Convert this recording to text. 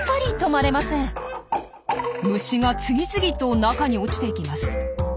虫が次々と中に落ちていきます。